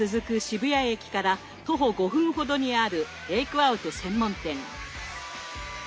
渋谷駅から徒歩５分ほどにあるテイクアウト専門店。